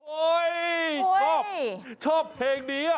ชอบชอบเพลงนี้